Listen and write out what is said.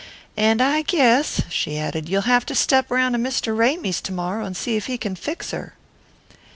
"And I guess," she added, "you'll have to step round to Mr. Ramy's to morrow, and see if he can fix her."